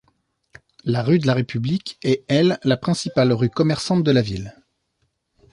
La rue de la république est, elle, la principale rue commerçante de la ville.